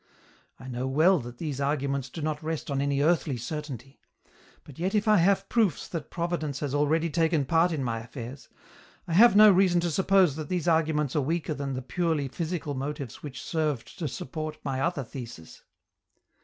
I know well that these arguments do not rest on any earthly certainty, but yet if I have proofs that Providence has already taken part in my affairs, I have no reason to suppose that these arguments are weaker than the purely physical motives which served to support my other thesis.